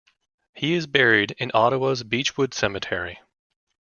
He is buried in Ottawa's Beechwood Cemetery.